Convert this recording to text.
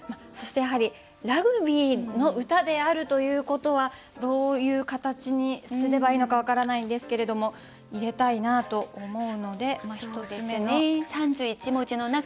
そしてやはりラグビーの歌であるということはどういう形にすればいいのか分からないんですけれども入れたいなと思うので１つ目の。